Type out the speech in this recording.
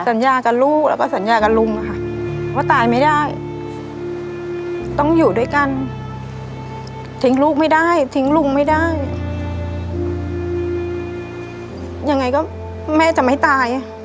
สัญญากับลูกแล้วก็สัญญากับลุงอะค่ะว่าตายไม่ได้ต้องอยู่ด้วยกันทิ้งลูกไม่ได้ทิ้งลุงไม่ได้ยังไงก็แม่จะไม่ตาย